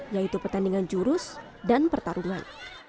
yaitu pertandingan jurus dan pertarungan